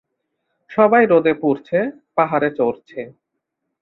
সবাই রোদে পুড়ছে, পাহাড়ে চড়ছে।